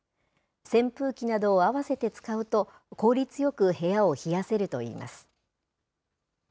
扇風機などをあわせて使うと、効率よく部屋を冷やせるといいます。